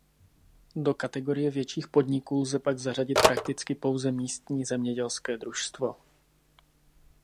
Do kategorie větších podniků lze pak zařadit prakticky pouze místní zemědělské družstvo.